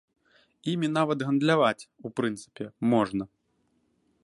Імі нават гандляваць, у прынцыпе, можна.